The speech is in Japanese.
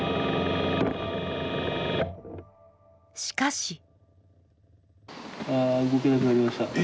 しかし。